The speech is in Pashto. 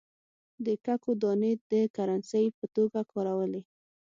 د ککو دانې د کرنسۍ په توګه کارولې.